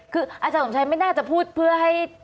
คืออาจารย์สมชัยไม่น่าจะพูดเพื่อให้